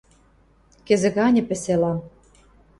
Кӹзӹ ганьы пӹсӹ ылам.